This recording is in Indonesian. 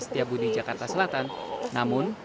setiabudi jakarta selatan namun